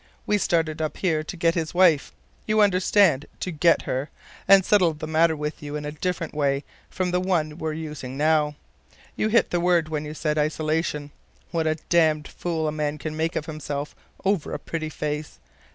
We started up here to get his wife. You understand, to get her, and settle the matter with you in a different way from the one we're using now. You hit the word when you said 'isolation.' What a damn fool a man can make of himself over a pretty face!